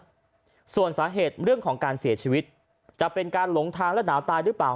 ส่วนสาเหตุเรื่องของการเสียชีวิตจะเป็นการหลงทางและหนาวตายหรือเปล่า